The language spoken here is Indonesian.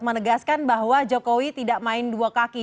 menegaskan bahwa jokowi tidak main dua kaki